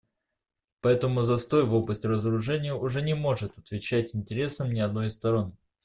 Поэтому застой в области разоружения уже не может отвечать интересам ни одной из сторон.